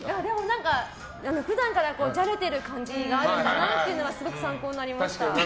何か、普段からじゃれてる感じがあるんだなっていうのはすごく参考になりました。